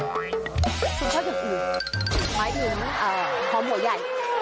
คุณชอบจะปลูกหมายถึงหอมหัวใหญ่